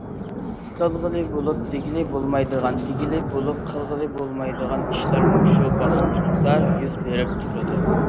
قىلغىلى بولۇپ، دېگىلى بولمايدىغان، دېگىلى بولۇپ، قىلغىلى بولمايدىغان ئىشلار مۇشۇ باسقۇچتا يۈز بېرىپ تۇرىدۇ.